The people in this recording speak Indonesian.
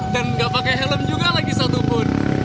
dan gak pakai helm juga lagi satupun